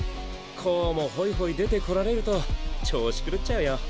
こうもほいほい出てこられると調子狂っちゃうよ。